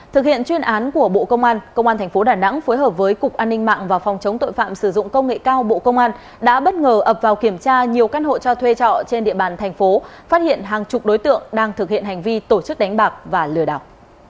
thực hiện chuyên án của bộ công an công an thành phố đà nẵng phối hợp với cục an ninh mạng và phòng chống tội phạm sử dụng công nghệ cao bộ công an đã bất ngờ ập vào kiểm tra nhiều căn hộ cho thuê trọ trên địa bàn thành phố phát hiện hàng chục đối tượng đang thực hiện hành vi tổ chức đánh bạc và lừa đảo